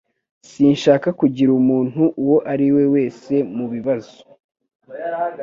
Sinshaka kugira umuntu uwo ari we wese mu bibazo